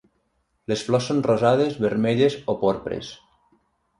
Les flors són rosades, vermelles o porpres.